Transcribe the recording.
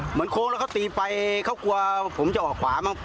เหมือนโค้งแล้วเขาตีไปเขากลัวผมจะออกขวามา